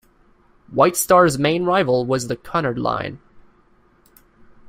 White Star's main rival was the Cunard Line.